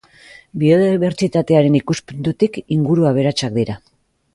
Biodibertsitatearen ikuspuntutik inguru aberatsak dira.